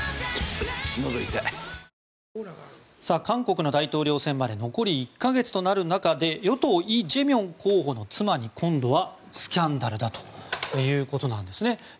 韓国の大統領選まで残り１か月となる中で与党、イ・ジェミョン候補の妻に今度はスキャンダルだということなんですね。